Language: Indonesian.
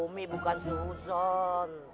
umi bukan suhujuan